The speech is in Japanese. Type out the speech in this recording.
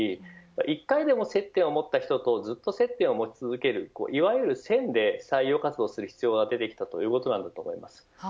一回でも接点を持った人とずっと接点を持ち続けるいわゆる線で採用活動する必要が出てきたということです。